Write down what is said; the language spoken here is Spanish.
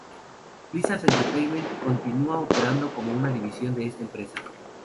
Blizzard Entertainment continua operando como una división de esta nueva empresa.